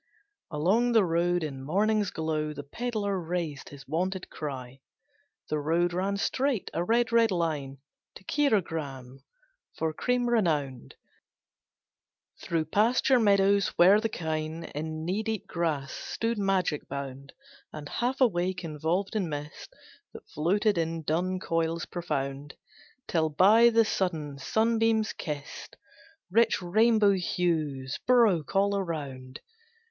Along the road, in morning's glow, The pedlar raised his wonted cry. The road ran straight, a red, red line, To Khirogram, for cream renowned, Through pasture meadows where the kine, In knee deep grass, stood magic bound And half awake, involved in mist, That floated in dun coils profound, Till by the sudden sunbeams kist Rich rainbow hues broke all around.